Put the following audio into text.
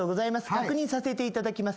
確認させていただきます。